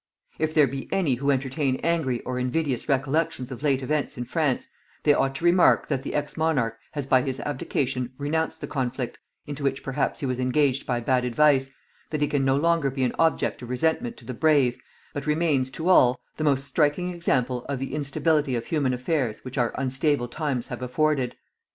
If there be any who entertain angry or invidious recollections of late events in France, they ought to remark that the ex monarch has by his abdication renounced the conflict, into which perhaps he was engaged by bad advice, that he can no longer be an object of resentment to the brave, but remains, to all, the most striking example of the instability of human affairs which our unstable times have afforded.